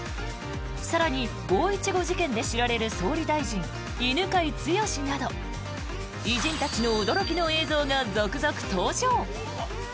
更に、五・一五事件で知られる総理大臣、犬養毅など偉人たちの驚きの映像が続々登場！